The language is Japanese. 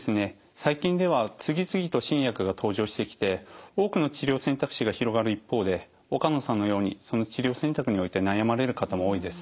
最近では次々と新薬が登場してきて多くの治療選択肢が広がる一方で岡野さんのようにその治療選択において悩まれる方も多いです。